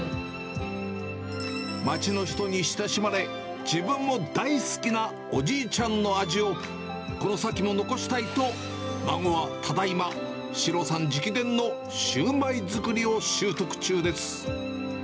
町の人に親しまれ、自分も大好きなおじいちゃんの味を、この先も残したいと、孫はただいま、四朗さん直伝のシューマイ作りを習得中です。